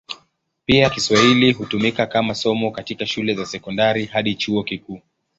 Pia Kiswahili hutumika kama somo katika shule za sekondari hadi chuo kikuu.